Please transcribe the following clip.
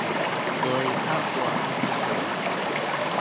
โดยเจ้าตัวไม่รู้ตัว